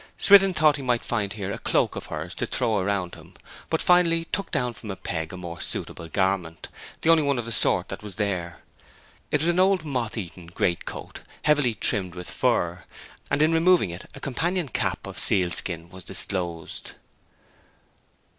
Swithin thought he might find here a cloak of hers to throw round him, but finally took down from a peg a more suitable garment, the only one of the sort that was there. It was an old moth eaten great coat, heavily trimmed with fur; and in removing it a companion cap of sealskin was disclosed.